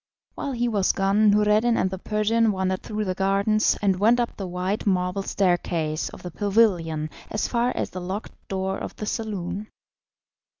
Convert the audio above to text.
While he was gone Noureddin and the Persian wandered through the gardens and went up the white marble staircase of the pavilion as far as the locked door of the saloon.